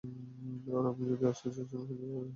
আমি আর বনি আসতে চেয়েছিলাম, কিন্তু কাজের চাপ থাকায় পারিনি।